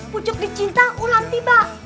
pucuk di cinta ulang tiba